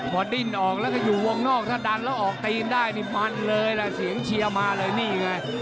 พอดิ้นออกแล้วก็อยู่วงนอกถ้าดันแล้วออกตีนได้นี่มันเลยล่ะเสียงเชียร์มาเลยนี่ไง